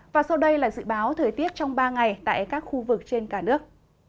và sau đây là dự báo thời tiết trong ba ngày tại các khu vực trên cả nước